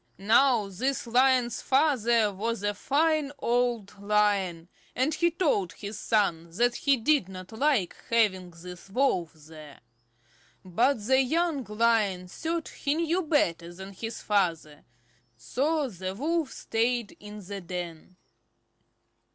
Now this Lion's father was a fine old Lion, and he told his son that he did not like having this Wolf there. But the young Lion thought he knew better than his father, so the Wolf stayed in the den.